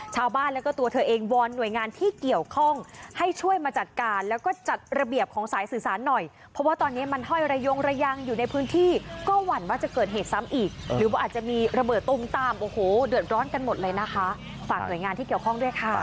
ชาวบ้านและก็ตัวเธอเองวอน